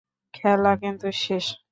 খেলা কিন্তু শেষ!